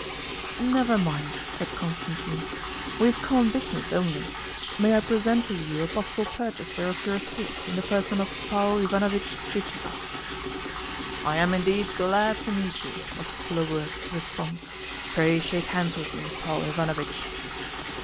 "Never mind," said Constantine. "We have come on business only. May I present to you a possible purchaser of your estate, in the person of Paul Ivanovitch Chichikov?" "I am indeed glad to meet you!" was Khlobuev's response. "Pray shake hands with me, Paul Ivanovitch."